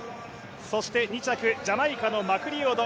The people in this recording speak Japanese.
そして２着、ジャマイカのマクリオド